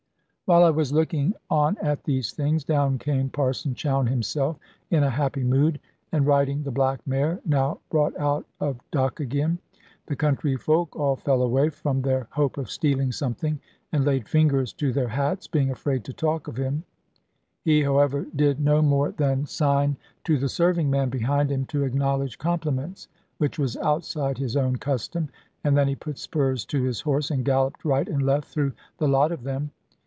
While I was looking on at these things, down came Parson Chowne himself, in a happy mood, and riding the black mare, now brought out of dock again. The country folk all fell away from their hope of stealing something, and laid fingers to their hats, being afraid to talk of him. He, however, did no more than sign to the serving man behind him, to acknowledge compliments (which was outside his own custom), and then he put spurs to his horse and galloped right and left through the lot of them.